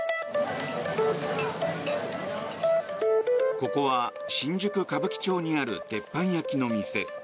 ここは新宿・歌舞伎町にある鉄板焼きの店。